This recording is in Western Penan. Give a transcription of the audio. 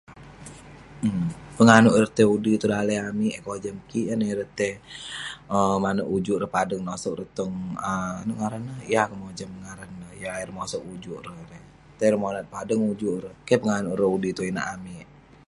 Umk..penganouk ireh tai undi tong daleh amik, yah kojam kik yan neh ireh tai um manouk ujuk ireh padeng, nasek ireh tong um inouk ngaran neh..yeng akouk mojam ngaran neh..yah ayuk mosok ujuk ireh erey..tai monat, padeng ujuk ereh..keh penganouk ireh undi tong inak amik..